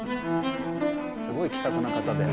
すごい気さくな方で。